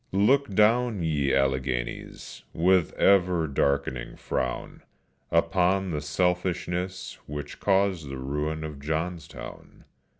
_" Look down, ye Alleghenies, with ever darkening frown, Upon the selfishness which caused the ruin of Johnstown.